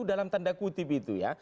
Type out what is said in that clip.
dalam tanda kutip itu ya